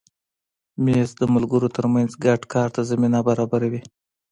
مېز د ملګرو تر منځ ګډ کار ته زمینه برابروي.